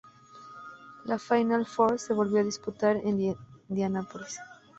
La Final Four se volvió a disputar en Indianapolis.